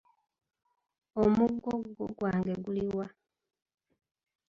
Omugogo gwange guli wa?